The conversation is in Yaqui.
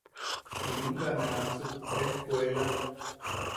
Junum bea ne ansuk ejkuela.